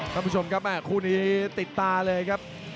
ท่านผู้ชมครับแม่คู่นี้ติดตาเลยครับ